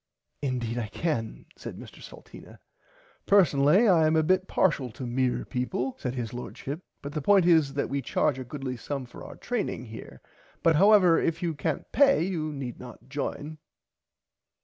Indeed I can said Mr Salteena. Personally I am a bit parshial to mere people said his Lordship but the point is that we charge a goodly sum for our training here but however if you cant pay you need not join.